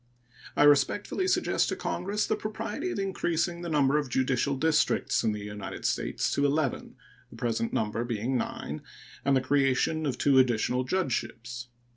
I respectfully suggest to Congress the propriety of increasing the number of judicial districts in the United States to eleven (the present number being nine) and the creation of two additional judgeships.